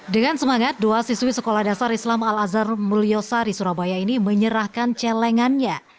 dengan semangat dua siswi sekolah dasar islam al azhar mulyosari surabaya ini menyerahkan celengannya